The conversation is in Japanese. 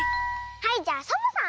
はいじゃあサボさん！